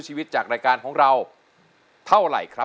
เปลี่ยนเพลงเก่งของคุณและข้ามผิดได้๑คำ